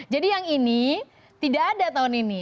jadi yang ini tidak ada tahun ini